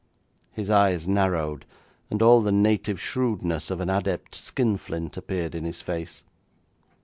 His eyes narrowed, and all the native shrewdness of an adept skinflint appeared in his face.